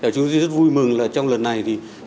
chúng tôi rất vui mừng trong lần này